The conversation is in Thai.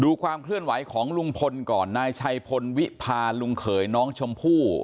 ความเคลื่อนไหวของลุงพลก่อนนายชัยพลวิพาลุงเขยน้องชมพู่